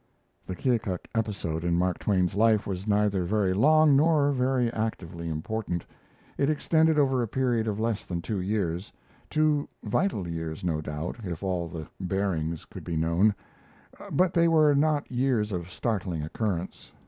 The Keokuk episode in Mark Twain's life was neither very long nor very actively important. It extended over a period of less than two years two vital years, no doubt, if all the bearings could be known but they were not years of startling occurrence.